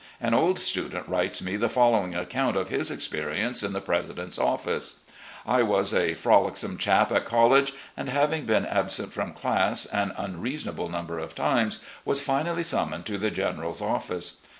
An old student writes me the following account of his experience in the president's office: " I was a frolicsome chap at college, and, having been absent from class an tmreasonable number of times, was finally summoned to the General's office.